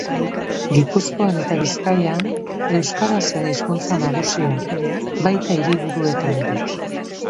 Gipuzkoan eta Bizkaian euskara zen hizkuntza nagusia, baita hiriburuetan ere.